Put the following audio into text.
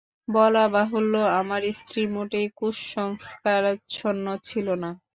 বলাবাহুল্য আমার স্ত্রী মোটেই কুসংস্কারাচ্ছন্ন ছিল না।